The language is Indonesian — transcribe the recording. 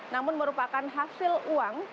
namun merupakan hasil uang